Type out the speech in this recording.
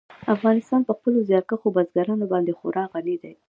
افغانستان په خپلو زیارکښو بزګانو باندې خورا غني دی.